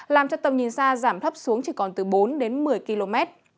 làm cho tầm nhìn xa giảm thấp xuống chỉ còn từ bốn đến một mươi km